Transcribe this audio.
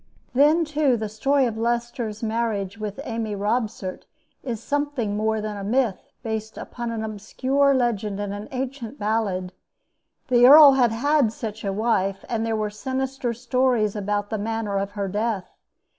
Then, too, the story of Leicester's marriage with Amy Robsart is something more than a myth, based upon an obscure legend and an ancient ballad. The earl had had such a wife, and there were sinister stories about the manner of her death.